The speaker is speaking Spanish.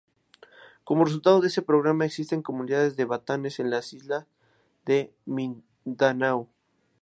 Como resultado de ese programa, existen comunidades de batanes en las isla de Mindanao.